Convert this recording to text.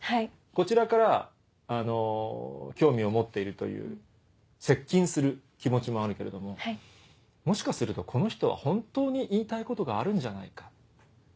こちらから興味を持っているという接近する気持ちもあるけれどももしかするとこの人は本当に言いたいことがあるんじゃないか。